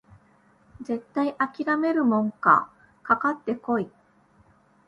絶対あきらめるもんかかかってこい！